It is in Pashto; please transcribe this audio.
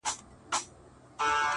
انساني درد تر ټولو ژور دی,